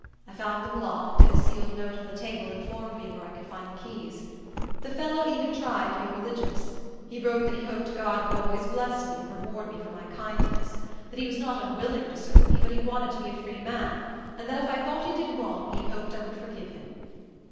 I found them locked, and a sealed note on the table informed me where I could find the keys. The fellow even tried to be religious. He wrote that he hoped God would always bless me, and reward me for my kindness; that he was not unwilling to serve me; but he wanted to be a free man; and that if I thought he did wrong, he hoped I would forgive him.